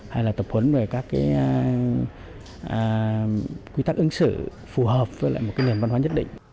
hay là tập huấn về các quy tắc ứng xử phù hợp với một nền văn hóa nhất định